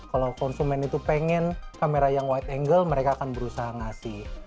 kalau konsumen itu pengen kamera yang wide angle mereka akan berusaha ngasih